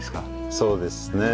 そうですね。